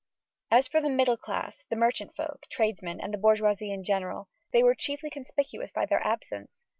As for the middle classes, the merchant folk, tradesmen, and bourgeoisie in general, they were chiefly conspicuous by their absence.